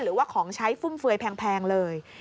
หรือว่าของใช้ฟุ่มเฟือยแพงเลย